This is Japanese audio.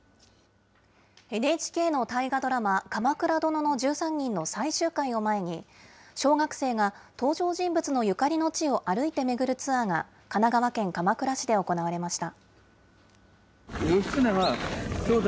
ＮＨＫの大河ドラマ、鎌倉殿の１３人の最終回を前に、小学生が登場人物のゆかりの地を歩いて巡るツアーが、神奈川県鎌倉市で行われました。